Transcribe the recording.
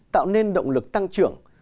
tạo nên động lực tăng trưởng